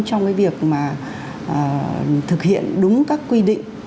trong việc thực hiện đúng các quy định